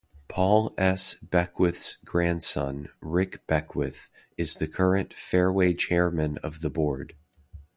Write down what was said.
Paul S. Beckwith's grandson, Rick Beckwith, is the current Fareway Chairman of the Board.